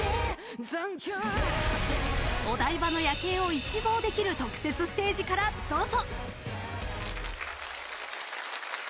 お台場の夜景を一望できる特設ステージからどうぞ。